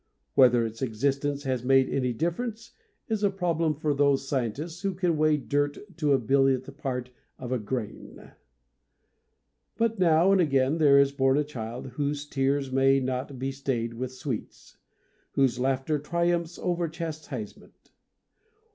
Whether its existence has made any difference is a problem for those 76 MONOLOGUES scientists who can weigh dirt to the billionth part of a grain. But now and again there is born a child whose tears may not be stayed with sweets, whose laughter triumphs over chastisement.